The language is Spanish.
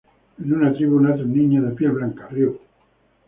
En una tribu nace un niño de piel blanca, Ryū.